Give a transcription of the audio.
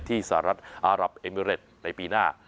สหรัฐอารับเอมิเรตในปีหน้า